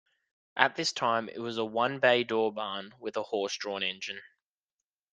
At this time it was a one-bay-door barn with a horse-drawn engine.